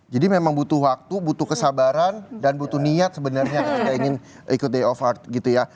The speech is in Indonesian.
jadi memang butuh waktu butuh kesabaran dan butuh niat sebenarnya yang ingin ikut day of art gitu ya